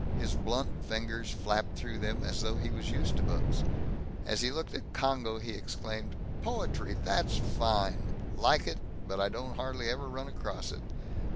His blunt fingers flapped through them as though he was used to books. As he looked at Congo, he exclaimed, "Poetry! That's fine! Like it, but I don't hardly ever run across it.